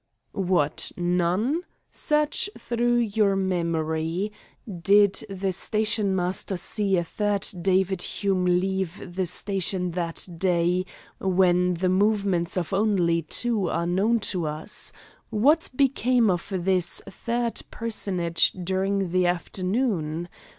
"What, none? Search through your memory. Did not the stationmaster see a third David Hume leave the station that day when the movements of only two are known to us. What became of this third personage during the afternoon?